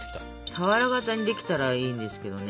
俵型にできたらいいんですけどね。